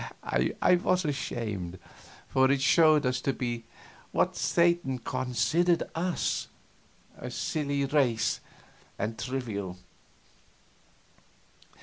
I was ashamed, for it showed us to be what Satan considered us, a silly race and trivial.